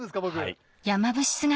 はい。